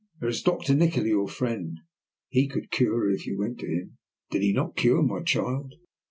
There is Doctor Nikola, your friend! He could cure her if you went to him. Did he not cure my child?"